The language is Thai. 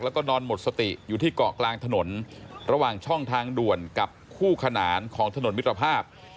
แล้วก็นอนหมดสติอยู่ที่เกาะกลางถนนระหว่างช่องทางด่วนกับคู่ขนานของถนนมิตรภาพ